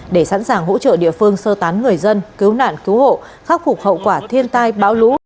để sẵn sàng hỗ trợ địa phương sơ tán người dân cứu nạn cứu hộ khắc phục hậu quả thiên tai bão lũ